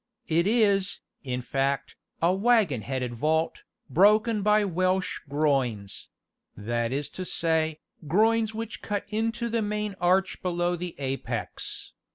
It is, in fact, a waggon headed vault, broken by Welsh groins that is to say, groins which cut into the main arch below the apex.